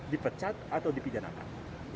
dipecat atau dipidanaan